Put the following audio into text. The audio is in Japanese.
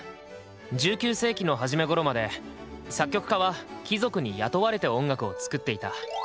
１９世紀の初めごろまで作曲家は貴族に雇われて音楽を作っていた。